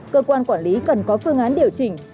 cơ quan quản lý cần có phương án điều chỉnh